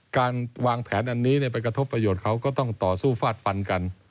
การวางแผนอันนี้ไปกระทบประโยชน์เขาก็ต้องต่อสู้ฟาดฟันกัน